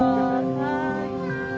はい。